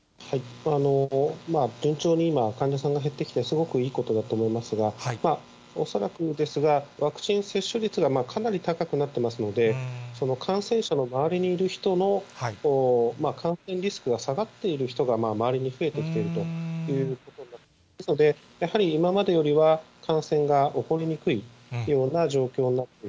順調に今、患者さんが減ってきて、すごくいいことだと思いますが、恐らくですが、ワクチン接種率がかなり高くなってますので、感染者の周りにいる人の感染リスクが下がっている人が周りに増えてきているということですので、やはり今までよりは感染が起こりにくいというような状況になっている。